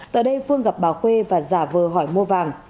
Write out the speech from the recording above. tại đây phương gặp bà khuê và giả vờ hỏi mua vàng